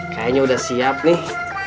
kayaknya sudah siap nih